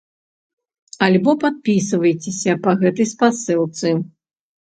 Альбо падпісвайцеся па гэтай спасылцы.